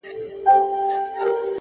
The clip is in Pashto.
• هر یو سیوری د رباب نغمې ته دام سو,